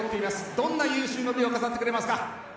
どんな有終の美を飾ってくれますか。